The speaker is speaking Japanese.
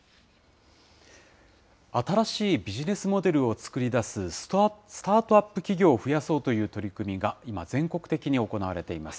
新しいビジネスモデルを作り出すスタートアップ企業を増やそうという取り組みが今、全国的に行われています。